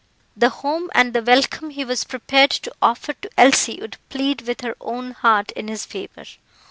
The home and the welcome he was prepared to offer to Elsie would plead with her own heart in his favour.